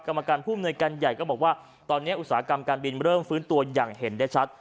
กรรมการผู้มนวยการใหญ่ก็บอกว่าตอนนี้อุตสาหกรรมการบินเริ่มฟื้นตัวอย่างเห็นได้ชัด